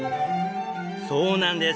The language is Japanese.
そうなんです。